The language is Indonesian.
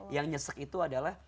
yang nyesek itu adalah